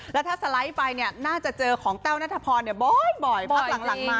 แล้วถ้าสไลด์ไปเนี่ยน่าจะเจอของแต้วนัทพรบ่อยพักหลังมา